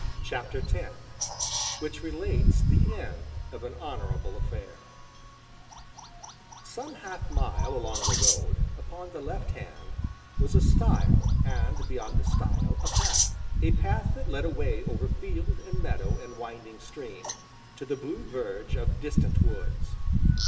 CHAPTER X WHICH RELATES THE END OF AN HONORABLE AFFAIR Some half mile along the road, upon the left hand, was a stile, and beyond the stile, a path a path that led away over field, and meadow, and winding stream, to the blue verge of distant woods.